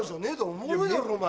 おもろいだろお前。